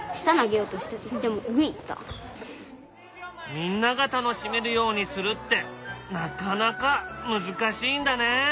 みんなが楽しめるようにするってなかなか難しいんだね。